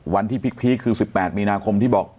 วันที่พีคคือ๑๘มีนาคมที่บอก